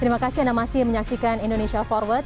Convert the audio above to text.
terima kasih anda masih menyaksikan indonesia forward